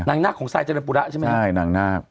นางนาคของสาญจรปุระใช่มั้ยใช่นางนาค